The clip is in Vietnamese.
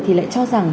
thì lại cho rằng